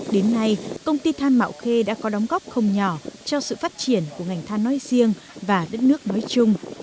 đến nay công ty than mạo khê đã có đóng góp không nhỏ cho sự phát triển của ngành than nói riêng và đất nước nói chung